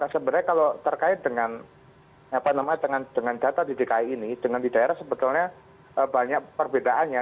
sebenarnya kalau terkait dengan data di dki ini dengan di daerah sebetulnya banyak perbedaannya